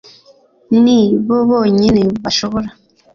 ni bo bonyine bashobora